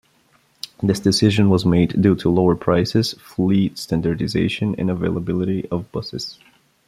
This decision was made due to lower prices, fleet standardization, and availability of buses.